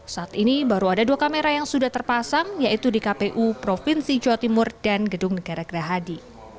saat ini baru ada dua kamera yang sudah terpasang yaitu di kpu provinsi jawa timur dan gedung negara gerahadi